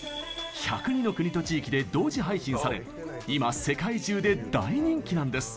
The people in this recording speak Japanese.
１０２の国と地域で同時配信され今、世界中で大人気なんです。